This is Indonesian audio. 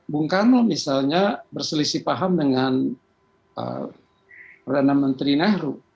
bung karno misalnya berselisih paham dengan perdana menteri nahru